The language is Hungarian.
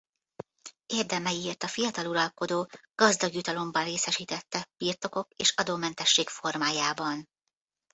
Érdemeiért a fiatal uralkodó gazdag jutalomban részesítette birtokok és adómentesség formájában.